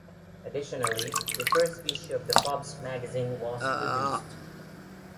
Additionally, the first issue of the club's magazine was produced.